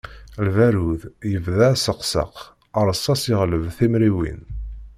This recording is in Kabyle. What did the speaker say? Lbarud yebda aseqseq, rsas yeɣleb timriwin.